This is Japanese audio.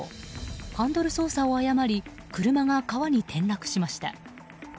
ハンドル操作を誤り車が川に転落しました。